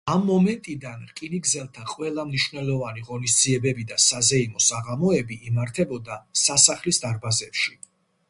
ამ მომენტიდან რკინიგზელთა ყველა მნიშვნელოვანი ღონისძიებები და საზეიმო საღამოები იმართებოდა სასახლის დარბაზებში.